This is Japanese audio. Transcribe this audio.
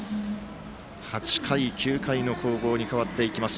８回、９回の攻防に変わっていきます。